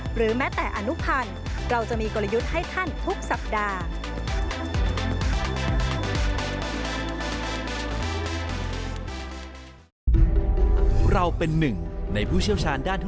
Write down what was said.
หรือแม้แต่อนุพันธ์เราจะมีกลยุทธ์ให้ท่านทุกสัปดาห์